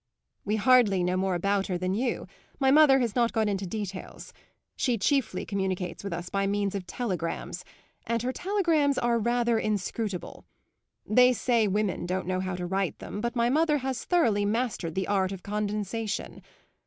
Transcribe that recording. "We hardly know more about her than you; my mother has not gone into details. She chiefly communicates with us by means of telegrams, and her telegrams are rather inscrutable. They say women don't know how to write them, but my mother has thoroughly mastered the art of condensation.